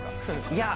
いや。